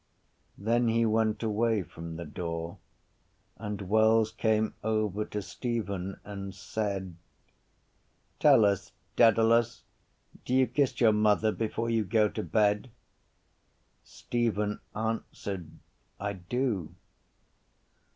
Then he went away from the door and Wells came over to Stephen and said: —Tell us, Dedalus, do you kiss your mother before you go to bed? Stephen answered: —I do.